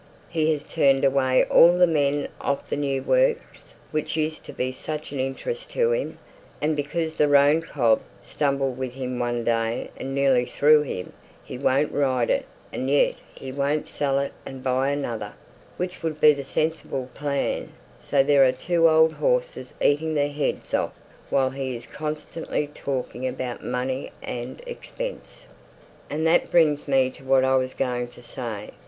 He has turned away all the men off the new works, which used to be such an interest to him; and because the roan cob stumbled with him one day, and nearly threw him, he won't ride it; and yet he won't sell it and buy another, which would be the sensible plan; so there are two old horses eating their heads off, while he is constantly talking about money and expense. And that brings me to what I was going to say.